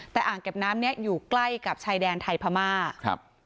แต่อ่างเก็บน้ำเนี้ยอยู่ใกล้กับชายแดนไทยพม่าครับ